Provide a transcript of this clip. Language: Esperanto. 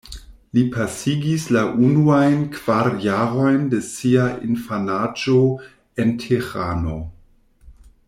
Li pasigis la unuajn kvar jarojn de sia infanaĝo en Tehrano.